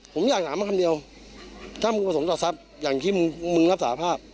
ผมอยากถามมาคำเดียวถ้ามึงประสงค์ต่อทรัพย์อย่างที่มึงมึงรับสาภาพ